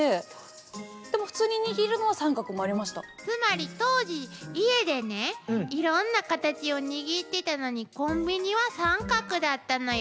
つまり当時家でねいろんなカタチを握ってたのにコンビニは三角だったのよ。